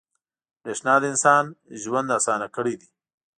• برېښنا د انسان ژوند اسانه کړی دی.